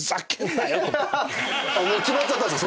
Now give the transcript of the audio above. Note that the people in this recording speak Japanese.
もう決まっちゃったんすか？